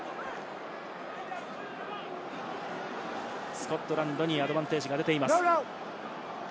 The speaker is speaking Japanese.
スコットランドにアドバンテージが出ています。